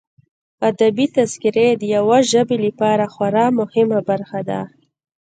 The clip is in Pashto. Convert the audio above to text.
ادبي تذکرې د یوه ژبې لپاره خورا مهمه برخه ده.